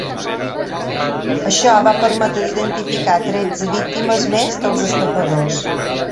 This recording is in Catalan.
Això va permetre d’identificar tretze víctimes més dels estafadors.